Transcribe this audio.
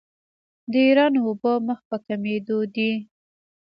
د ایران اوبه مخ په کمیدو دي.